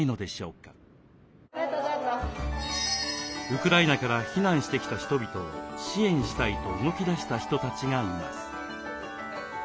ウクライナから避難してきた人々を支援したいと動きだした人たちがいます。